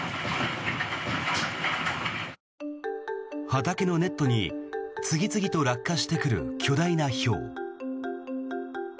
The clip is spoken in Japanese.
畑のネットに次々と落下してくる巨大なひょう。